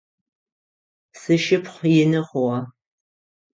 Сшыпхъу ины хъугъэ.